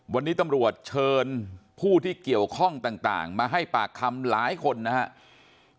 วันนี้ตำรวจเชิญผู้ที่เกี่ยวข้องต่างมาให้ปากคำหลายคนนะครับ